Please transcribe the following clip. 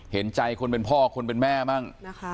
เห็นใจคนเป็นพ่อคนเป็นแม่บ้างนะคะ